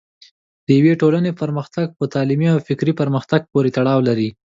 د یوې ټولنې پرمختګ په تعلیمي او فکري پرمختګ پورې تړاو لري.